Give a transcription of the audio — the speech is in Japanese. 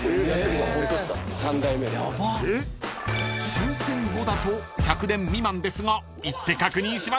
［終戦後だと１００年未満ですが行って確認しましょう］